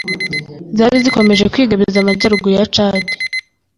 zari zikomeje kwigabiza amajyaruguru ya Tchad